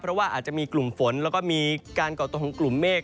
เพราะว่าอาจจะมีกลุ่มฝนแล้วก็มีการก่อตัวของกลุ่มเมฆ